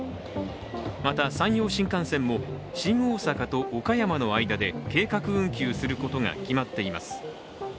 また、山陽新幹線も新大阪と岡山の間で計画運休することが決まっています。